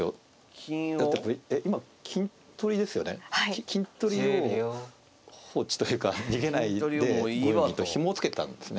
金取りを放置というか逃げないで５四銀とひもをつけたんですね。